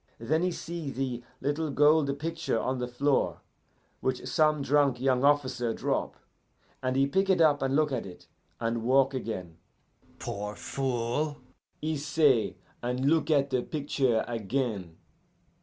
Then he see the little gold picture on the floor which some drunk young officer drop, and he pick it up and look at it, and walk again. 'Poor fool!' he say, and look at the picture again.